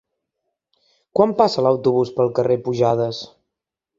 Quan passa l'autobús pel carrer Pujades?